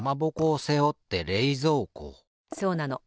そうなの。